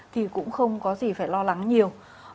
thì cũng không có gì phải lo lắng nhiều